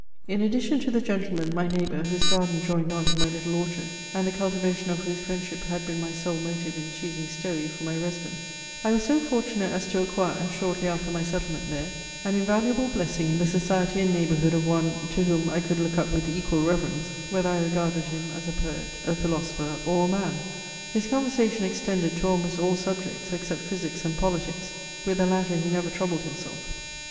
In addition to the gentleman, my neighbour, whose garden joined on to my little orchard, and the cultivation of whose friendship had been my sole motive in choosing Stowey for my residence, I was so fortunate as to acquire, shortly after my settlement there, an invaluable blessing in the society and neighbourhood of one, to whom I could look up with equal reverence, whether I regarded him as a poet, a philosopher, or a man. His conversation extended to almost all subjects, except physics and politics; with the latter he never troubled himself.